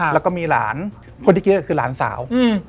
แล้วก็มีหลานคนที่เกี้ยคือหลานสาว